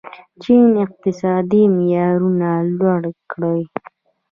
چین اقتصادي معیارونه لوړ کړي.